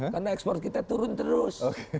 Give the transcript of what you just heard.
karena ekspor kita turun terus